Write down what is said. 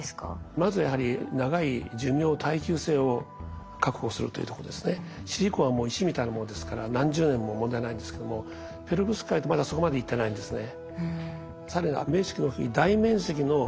まずやはり長い寿命シリコンは石みたいなものですから何十年も問題ないんですけどもペロブスカイトまだそこまでいってないんですね。